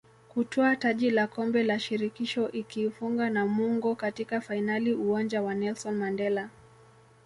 kutwaa taji la Kombe la Shirikisho ikiifunga Namungo katika fainali Uwanja wa Nelson Mandela